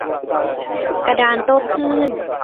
กระดานโต้คลื่น